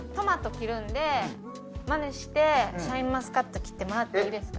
まねしてシャインマスカット切ってもらっていいですか？